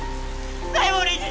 西門理事長！